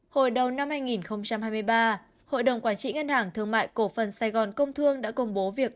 hồi đầu năm hai nghìn hai mươi ba hội đồng quản trị ngân hàng thương mại cổ phân saigon công thương đã công bố việc